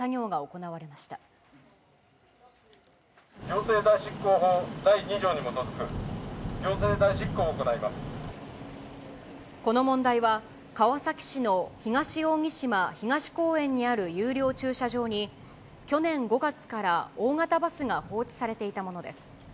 行政代執行法第二条に基づくこの問題は、川崎市の東扇島東公園にある有料駐車場に、去年５月から大型バスが放置されていたものです。